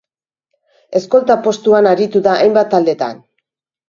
Eskolta postuan aritu da hainbat taldetan.